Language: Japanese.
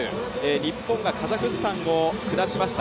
日本がカザフスタンを下しました。